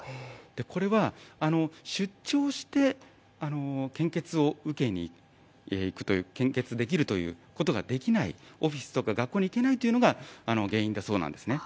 これは出張して献血を受けに行くという、献血できるということができない、オフィスとか学校に行けないというのが原因だそうなんですね。